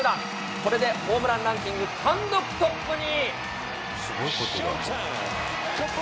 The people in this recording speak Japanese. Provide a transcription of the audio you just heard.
これでホームランランキング単独トップに。